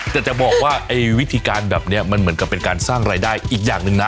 แต่จะบอกว่าไอ้วิธีการแบบนี้มันเหมือนกับเป็นการสร้างรายได้อีกอย่างหนึ่งนะ